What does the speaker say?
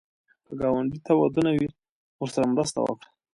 که ګاونډي ته ودونه وي، ورسره مرسته وکړه